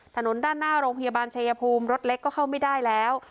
ถนนด้านหน้าโรงพยาบาลชายภูมิรถเล็กก็เข้าไม่ได้แล้ว